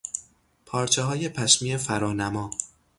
پارچههای پشمی فرانما